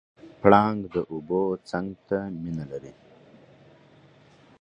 پړانګ د اوبو څنګ ته مینه لري.